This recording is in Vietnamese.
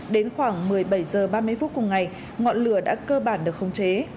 đến khoảng một mươi bảy h ba mươi phút cùng ngày ngọn lửa đã cơ bản được khống chế